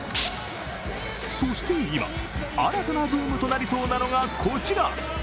そして今、新たなブームとなりそうなのが、こちら。